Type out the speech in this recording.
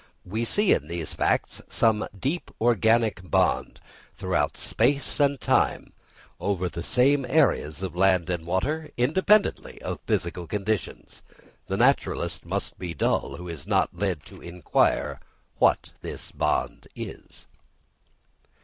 We see in these facts some deep organic bond, throughout space and time, over the same areas of land and water, independently of physical conditions. The naturalist must be dull who is not led to inquire what this bond is.